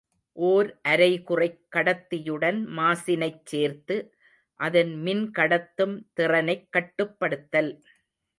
ஓர் அரைகுறைக் கடத்தியுடன் மாசினைச் சேர்த்து, அதன் மின்கடத்தும் திறனைக் கட்டுப்படுத்தல்.